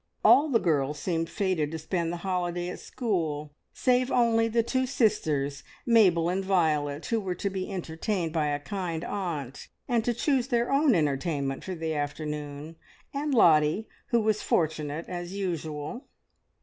All the girls seemed fated to spend the holiday at school save only the two sisters, Mabel and Violet, who were to be entertained by a kind aunt, and to choose their own entertainment for the afternoon, and Lottie, who was fortunate as usual.